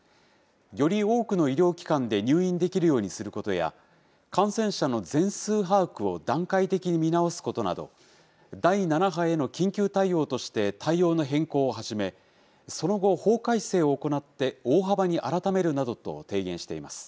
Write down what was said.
より多くの医療機関で入院できるようにすることや、感染者の全数把握を段階的に見直すことなど、第７波への緊急対応として対応の変更を始め、その後、法改正を行って大幅に改めるなどと提言しています。